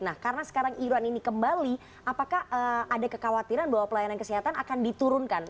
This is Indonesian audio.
nah karena sekarang iuran ini kembali apakah ada kekhawatiran bahwa pelayanan kesehatan akan diturunkan